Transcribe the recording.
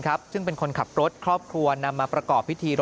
ซึ่งเป็นคนขับรถครอบครัวนำมาประกอบพิธี